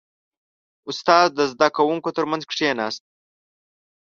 • استاد د زده کوونکو ترمنځ کښېناست.